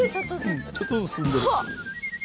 うんちょっとずつ進んでる。